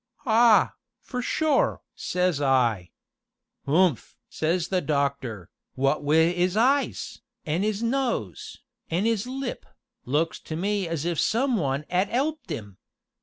'Ah, for sure!' says I. 'Humph!' says the doctor, 'what wi' 'is eyes, an' 'is nose, an' 'is lip, looks to me as if some one 'ad 'elped 'im.'